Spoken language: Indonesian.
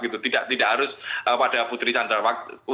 tidak harus pada putri candrawaktu